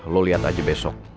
lo liat aja besok